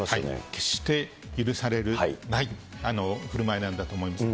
決して許されないふるまいなんだと思います。